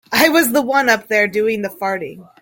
I was the one up there doing the farting.